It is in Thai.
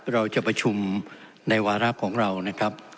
เราจะประชุมในวาระของเรานะครับ